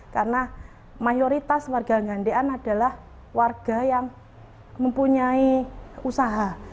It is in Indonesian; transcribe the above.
karena mayoritas warga gandean adalah warga yang mempunyai usaha